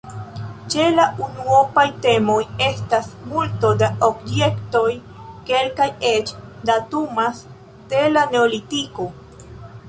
Ĉe la unuopaj temoj estas multo da objektoj; kelkaj eĉ datumas de la neolitiko.